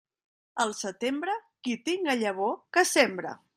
Al setembre, qui tinga llavor que sembre.